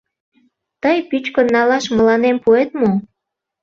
Тый пӱчкын налаш мыланем пуэт мо?